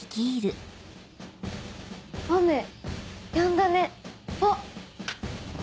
雨やんだねあっ。